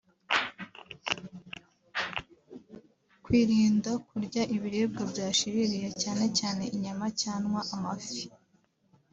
Kwirinda kurya ibiribwa byashiririye cyane cyane inyama cyanwa amafi;